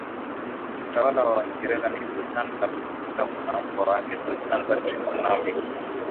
utawala wa Waingereza ni Sultan Sabu Bin Sabu na mpwa wake Sultan Patrick Kunambi